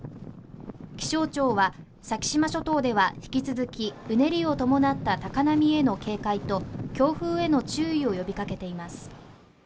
気象庁は先島諸島では引き続きうねりを伴った高波への警戒と強風への注意を呼びかけています。